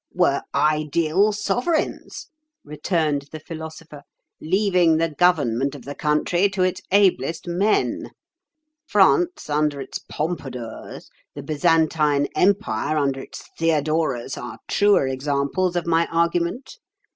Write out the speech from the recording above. "Were ideal sovereigns," returned the Philosopher, "leaving the government of the country to its ablest men. France under its Pompadours, the Byzantine Empire under its Theodoras, are truer examples of my argument.